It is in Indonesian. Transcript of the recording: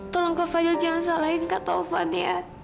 tolong kak fadil jangan salahin kak taufan ya